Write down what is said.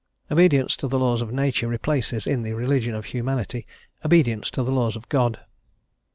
Obedience to the laws of Nature replaces, in the religion of Humanity, obedience to the laws of God.